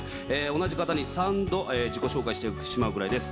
同じ方に３度自己紹介してしまうくらいです。